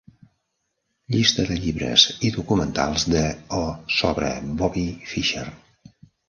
Llista de llibres i documentals de o sobre Bobby Fischer.